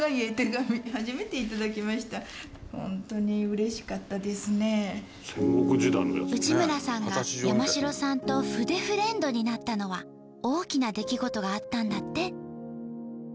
向かったのは内村さんが山城さんと筆フレンドになったのは大きな出来事があったんだって。